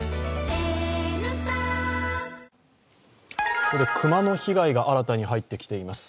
ここで熊の被害が新たに入ってきています。